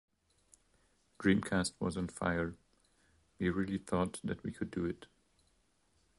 Dreamcast was on fire - we really thought that we could do it.